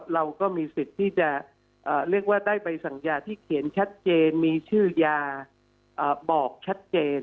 เราก็มีสิทธิ์ที่จะเรียกว่าได้ใบสัญญาที่เขียนชัดเจนมีชื่อยาบอกชัดเจน